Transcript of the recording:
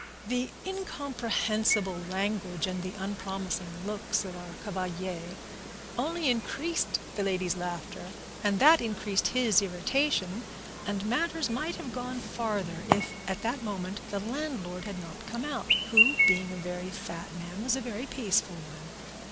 The incomprehensible language and the unpromising looks of our cavalier only increased the ladies' laughter, and that increased his irritation, and matters might have gone farther if at that moment the landlord had not come out, who, being a very fat man, was a very peaceful one.